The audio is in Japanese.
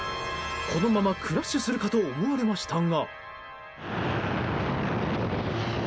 このままクラッシュするかと思われましたが。